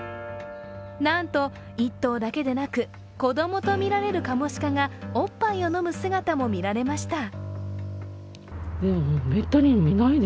なんと、１頭だけでなく子供とみられるカモシカがおっぱいを飲む姿も見られました。